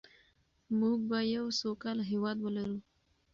موږ به یو سوکاله هېواد ولرو.